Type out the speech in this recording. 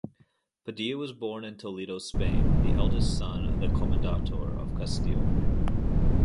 Padilla was born in Toledo, Spain, the eldest son of the "commendator" of Castile.